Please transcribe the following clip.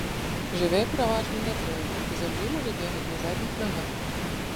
Жыве пераважна на дрэвах, па зямлі можа бегаць на задніх нагах.